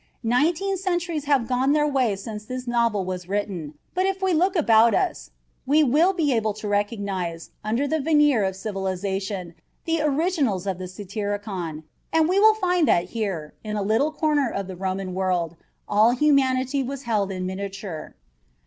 Nineteen centuries have gone their way since this novel was written, but if we look about us we will be able to recognize, under the veneer of civilization, the originals of the Satyricon and we will find that here, in a little corner of the Roman world, all humanity was held in miniature.